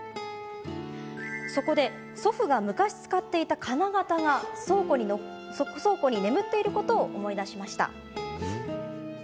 そこで祖父が昔使っていた金型が倉庫に眠っていることを思い出しました。